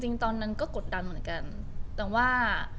จริงตอนนั้นก็กดดันเหมือนกันแต่ว่า